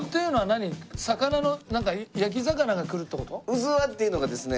うずわっていうのがですね